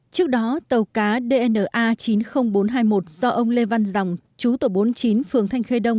trước đó tàu cá dna chín mươi nghìn bốn trăm hai mươi một do ông lê văn dòng chú tổ bốn mươi chín phường thanh khê đông